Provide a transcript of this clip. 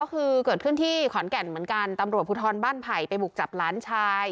ก็คือเกิดขึ้นที่ขอนแก่นเหมือนกันตำรวจภูทรบ้านไผ่ไปบุกจับหลานชาย